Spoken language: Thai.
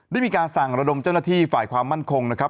ได้มีการสั่งระดมเจ้าหน้าที่ฝ่ายความมั่นคงนะครับ